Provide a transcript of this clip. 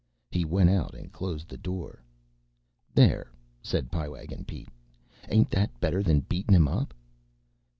He went out and closed the door. "There," said Pie Wagon Pete. "Ain't that better than beatin' him up?"